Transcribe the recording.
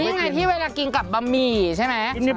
ยังไงที่เวลากินกับบะหมี่ใช่ไหม